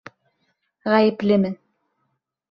Ғәйеплемен.